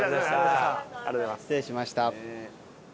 失礼しました。